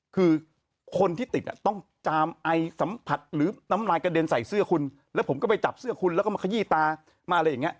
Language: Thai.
คือคนที่ติดต้องจามไอสัมผัสหรือน้ำลายกระเด็นใส่เสื้อคุณแล้วผมก็ไปจับเสื้อคุณแล้วก็มาขยี้ตามาอะไรอย่างนี้